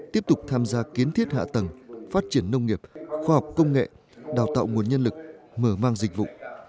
tiếp tục tham gia kiến thiết hạ tầng phát triển nông nghiệp khoa học công nghệ đào tạo nguồn nhân lực mở mang dịch vụ